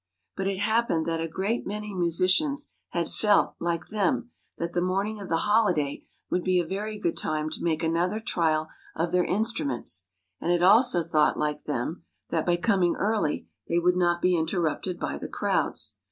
But it happened that a great many musicians had felt, like them, that the morning of the holiday would be a very good time to make another trial of their instruments, and had also thought, like them, that by coming early they would not be interrupted by the crowds.